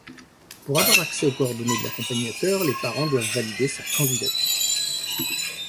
Pour avoir accès aux coordonnées de l’accompagnateur, les parents doivent valider sa candidature.